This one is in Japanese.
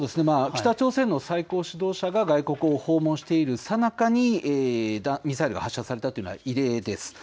北朝鮮の最高指導者が外国を訪問しているさなかにミサイルが発射されたというのは異例です。